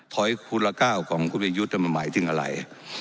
คูณก้าวของคุณประยุทธ์มันหมายถึงอะไร